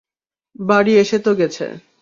বাড়ি এসে তো গেছে।